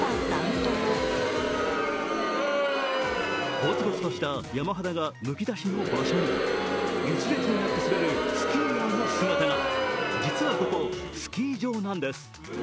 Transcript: ゴツゴツとした山肌がむき出しの場所に１列になって滑るスキーヤーの姿が実はここ、スキー場なんです。